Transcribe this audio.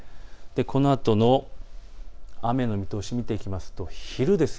このあとの雨の見通しを見ていきますと昼です。